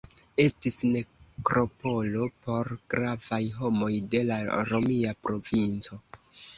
Estis nekropolo por gravaj homoj de la romia provinco.